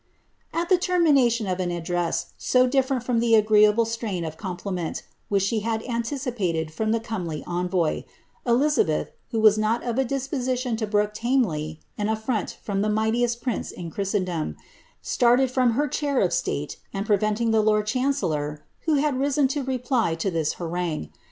' It the termination of an address so different from the agreeable strain compiiment which she had anticipated from the comely envoy, Eliza h, who was not of a disposition to brook tamely an affiront from the ^tiest prince in Christendom, started from her chair of state, and venting the lord chancellor, who had risen to reply to this harangue